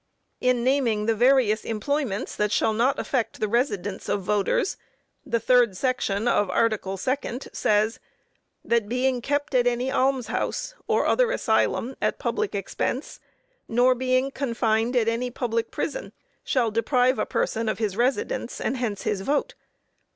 In naming the various employments that shall not affect the residence of voters the 3d section of article 2d says "that being kept at any alms house, or other asylum, at public expense, nor being confined at any public prison, shall deprive a person of his residence," and hence his vote.